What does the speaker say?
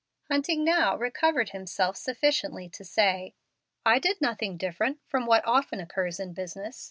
Hunting now recovered himself sufficiently to say, "I did nothing different from what often occurs in business.